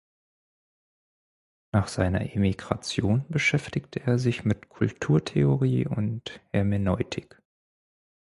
Nach seiner Emigration beschäftigte er sich mit Kulturtheorie und Hermeneutik.